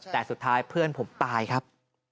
แต่สุดท้ายเพื่อนผมตายครับ